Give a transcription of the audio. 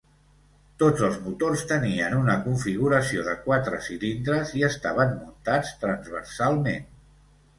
Tots els motors tenien una configuració de quatre cilindres i estaven muntats transversalment.